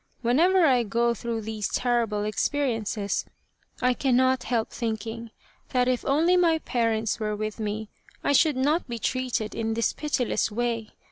Whenever I go through these terrible experiences I cannot help thinking that if only my parents were with me I should not be treated in this pitiless way.